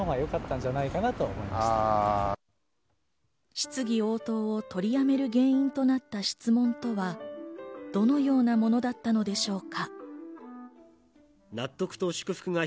質疑応答を取りやめる原因となった質問とはどのようなものだったのでしょうか。